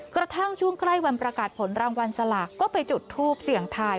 กระทั่งช่วงใกล้วันประกาศผลรางวัลสลากก็ไปจุดทูปเสี่ยงทาย